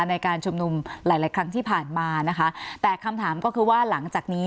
ในการชุมนุมหลายหลายครั้งที่ผ่านมานะคะแต่คำถามก็คือว่าหลังจากนี้